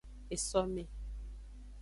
Esome.